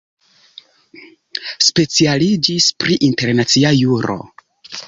Specialiĝis pr internacia juro.